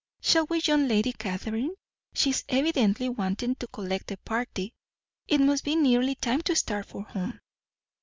"Shall we join Lady Catherine? She is evidently wanting to collect the party. It must be nearly time to start for home."